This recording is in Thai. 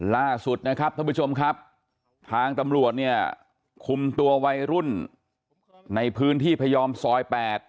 ล่าสุดนะครับท่านผู้ชมครับทางตำรวจเนี่ยคุมตัววัยรุ่นในพื้นที่พยอมซอย๘